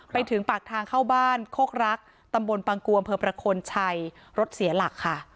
ไปถึงปากทางเข้าบ้านโคกรักตำบลปังกัวอำเภอประโคนชัยรถเสียหลักค่ะ